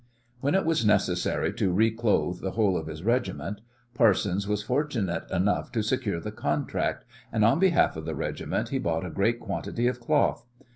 When it was necessary to reclothe the whole of his regiment, Parsons was fortunate enough to secure the contract, and on behalf of the regiment he bought a great quantity of cloth.